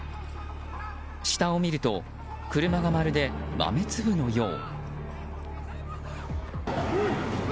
下を見ると車がまるで豆粒のよう。